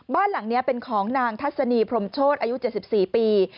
บ้านหลังนี้เป็นของนางทัศนีพรมโชธอายุ๗๔ปี